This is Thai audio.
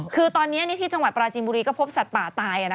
คือตอนนี้ที่จังหวัดปราจินบุรีก็พบสัตว์ป่าตาย